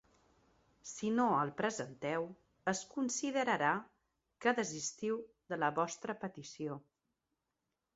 Si no el presenteu, es considerarà que desistiu de la vostra petició.